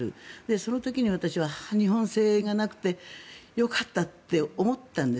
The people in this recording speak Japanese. その時に私は日本製がなくてよかったって思ったんです。